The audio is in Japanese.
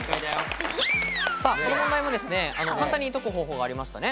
この問題は簡単に解く方法がありましたね。